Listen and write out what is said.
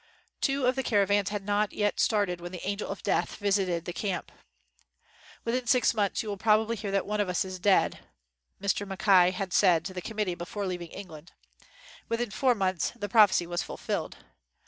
Two of the caravans had not yet started when the "angel of death" visited the camp. "Within six months you will probably hear that one of us is dead," Mr. Mackay had said to the committee before leaving Eng land. Within four months the prophecy was fulfilled.